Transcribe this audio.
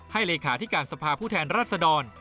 ให้เลขาที่การสภาผู้แทนรัฐศดร